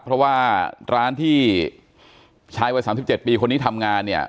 เพราะว่าร้านที่ชายวัย๓๗ปีคนนี้ทำงานเนี่ย